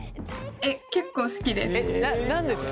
結構好きです。